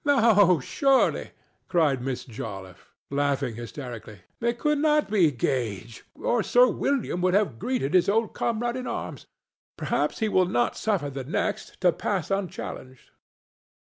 "No, surely," cried Miss Joliffe, laughing hysterically; "it could not be Gage, or Sir William would have greeted his old comrade in arms. Perhaps he will not suffer the next to pass unchallenged."